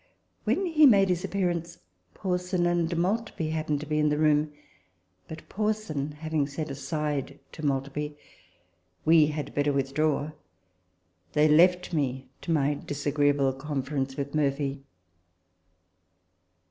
When he made his appearance, Person and Maltby * happened to be in the room ; f but, Person having said aside to Maltby, " We had better withdraw," they left me to my disagreeable con ference with Murphy.